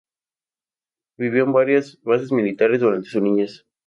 Vivió en varias bases militares durante su niñez.